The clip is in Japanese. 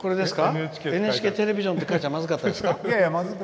「ＮＨＫテレビジョン」って書いたらまずかったですか？